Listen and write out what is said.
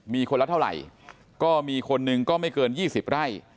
มีคนละเท่าไหร่ก็มีคนหนึ่งก็ไม่เกิน๒๐ไร่